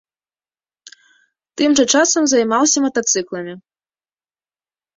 Тым жа часам займаўся матацыкламі.